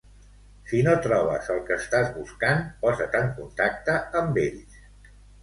Si no trobes el que estàs buscant, posa't en contacte amb ells.